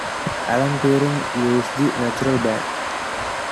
Alan Turing used the "natural ban".